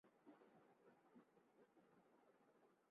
Class পড়ানোর জন্য Biden কখনও কখনও বিদেশ থেকেও ফিরে আসতেন।